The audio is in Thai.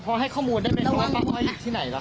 พอให้ข้อมูลได้เป็นรู้ว่าป้าอ้อยอยู่ที่ไหนอ่ะครับ